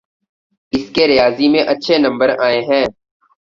اس کے ریاضی میں اچھے نمبر آئے ہیں